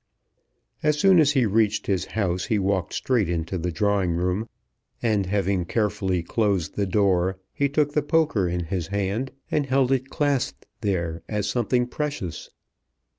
As soon as he reached his house he walked straight into the drawing room, and having carefully closed the door, he took the poker in his hand and held it clasped there as something precious.